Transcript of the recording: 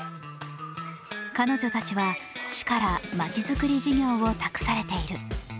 彼女たちは市からまちづくり事業を託されている。